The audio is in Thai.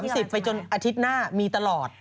คือตั้งแต่๓๐ไปจนอาทิตย์หน้ามีตลอด